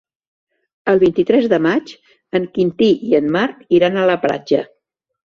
El vint-i-tres de maig en Quintí i en Marc iran a la platja.